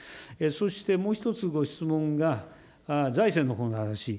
そしてもう一つご質問が、財政のほうの話。